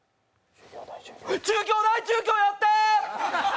中京大中京やって！